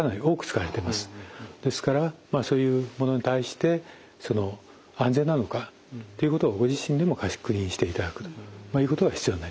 ですからそういうものに対して安全なのかということをご自身でも確認していただくことが必要になります。